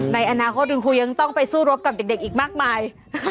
ในอนาคตคุณครูยังต้องไปสู้รบกับเด็กอีกมากมาย